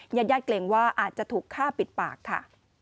ยันยัดเกร็งว่าอาจจะถูกฆ่าปิดปากค่ะ